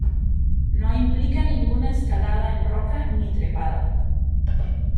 No implica ninguna escalada en roca ni trepada.